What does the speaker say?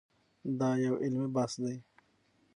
دا یو علمي بحث دی.